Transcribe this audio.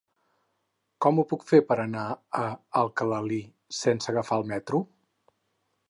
Com ho puc fer per anar a Alcalalí sense agafar el metro?